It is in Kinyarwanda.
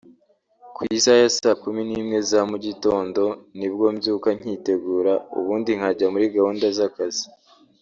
Ku isaha ya saa kumi n’imwe za mugitondo nibwo mbyuka nkitegura ubundi nkajya muri gahunda z’akazi